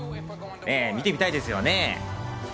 見てみたいですよね。